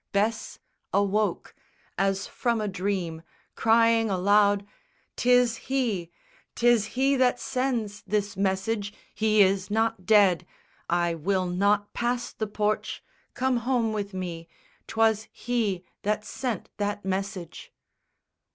Bess awoke As from a dream, crying aloud "'Tis he, 'Tis he that sends this message. He is not dead. I will not pass the porch. Come home with me. 'Twas he that sent that message."